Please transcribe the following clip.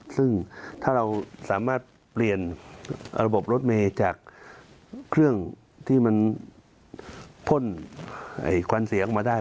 ซึ่งถ้าเราสามารถเปลี่ยนระบบรถเมย์จากเครื่องที่มันพ่นควันเสียงออกมาได้